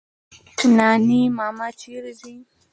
نانی ماما چيري ځې؟